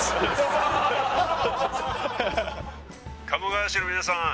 鴨川市の皆さん